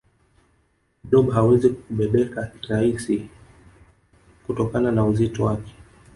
blob hawezi kubebeka kirasi kutokana na uzito wake